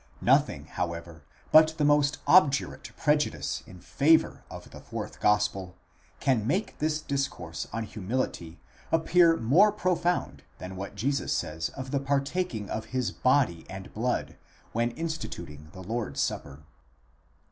4 Nothing, how ever, but the most obdurate prejudice in favour of the fourth gospel, can make this discourse on humility appear more profound than what Jesus says of the partaking of his body and blood, when instituting the Lord's supper.